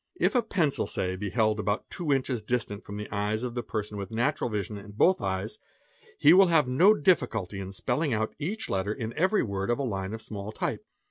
"IRfa pencil, say, be held about two inches distant from the eyes of a person with natural vision in both eyes, he will have no difficulty in spelling out | each letter in every word of a line of small type.